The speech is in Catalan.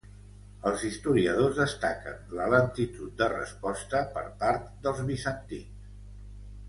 Els historiadors destaquen la lentitud de resposta per part dels bizantins.